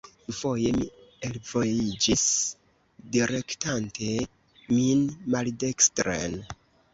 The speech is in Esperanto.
Dufoje mi elvojiĝis, direktante min maldekstren.